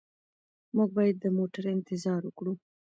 موږ باید د موټر انتظار وکړو.